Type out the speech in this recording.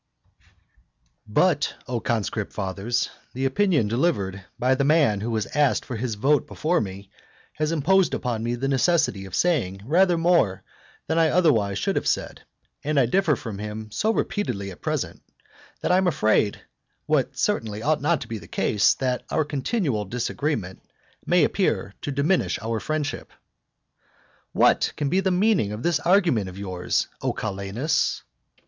But, O conscript fathers, the opinion delivered by the man who was asked for his vote before me, has imposed upon me the necessity of saying rather more than I otherwise should have said, and I differ from him so repeatedly at present, that I am afraid (what certainly ought not to be the case) that our continual disagreement may appear to diminish our friendship. What can be the meaning of this argument of yours, O Calenus?